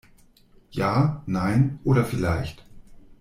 Ja, nein oder vielleicht?